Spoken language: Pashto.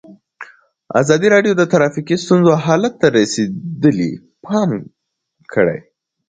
ازادي راډیو د ټرافیکي ستونزې حالت ته رسېدلي پام کړی.